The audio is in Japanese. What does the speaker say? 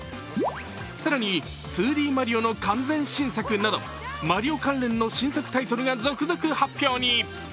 更に２Ｄマリオの完全新作などマリオ関連の新作タイトルが続々発表に。